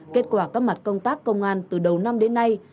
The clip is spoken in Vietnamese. kết quả các mặt công tác công an từ đầu năm đến nay